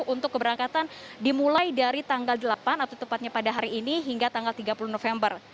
untuk keberangkatan dimulai dari tanggal delapan atau tepatnya pada hari ini hingga tanggal tiga puluh november